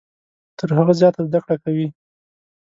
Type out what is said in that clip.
تر هغه زیاته زده کړه کوي .